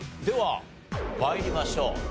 では参りましょう。